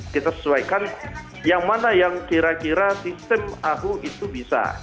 kita sesuaikan yang mana yang kira kira sistem ahu itu bisa